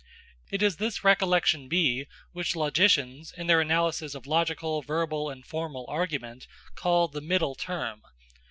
It is this recollection B which logicians, in their analysis of logical, verbal, and formal argument, call the middle term.